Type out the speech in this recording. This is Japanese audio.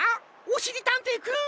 おしりたんていくん！